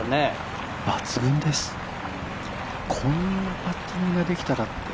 抜群ですこんなパッティングができたらって